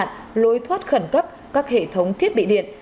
các lối thoát khẩn cấp các hệ thống thiết bị điện